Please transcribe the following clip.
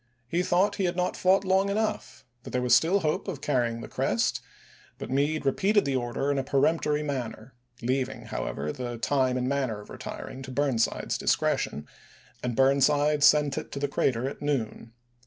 He thought he had not fought long enough; that there was still hope of carrying the crest; but Meade repeated the order in a peremptory manner — leaving, however, the time and manner of retir ing to Burnside's discretion — and Burnside sent it to the crater at noon.